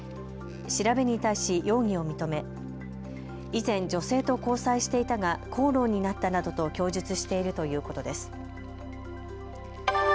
調べに対し容疑を認め以前、女性と交際していたが口論になったなどと供述しているということです。